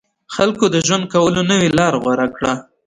خلکو د ژوند کولو نوې لاره غوره کړه.